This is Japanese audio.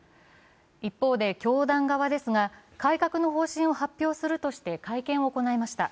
一方で教団側ですが、改革の方針を発表するとして会見を行いました。